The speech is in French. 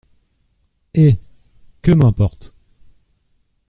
Eh ! que m’importe !